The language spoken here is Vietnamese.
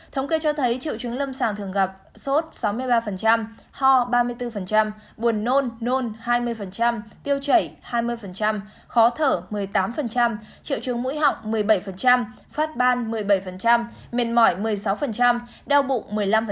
thống kê cho thấy triệu chứng lâm sàng thường gặp sốt sáu mươi ba ho ba mươi bốn buồn nôn nôn hai mươi tiêu chảy hai mươi khó thở một mươi tám triệu chứng mũi họng một mươi bảy phát ban một mươi bảy mệt mỏi một mươi sáu đau bụng một mươi năm